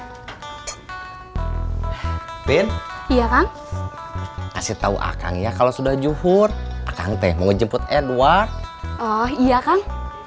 hai bin iya kasih tahu akan ya kalau sudah juhur akan teh mau jemput edward oh iya kan